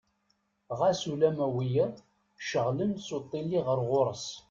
Ɣas ulamma wiyaḍ cceɣlen s uṭili ɣer ɣur-s.